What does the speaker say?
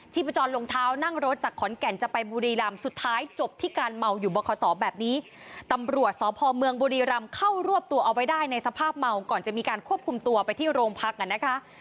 พจรรองเท้านั่งรถจากขอนแก่นจะไปบุรีรำสุดท้ายจบที่การเมาอยู่บคศแบบนี้ตำรวจสพเมืองบุรีรำเข้ารวบตัวเอาไว้ได้ในสภาพเมาก่อนจะมีการควบคุมตัวไปที่โรงพักอ่ะนะคะ